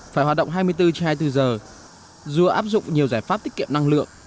phải hoạt động hai mươi bốn trên hai mươi bốn giờ dù áp dụng nhiều giải pháp tiết kiệm năng lượng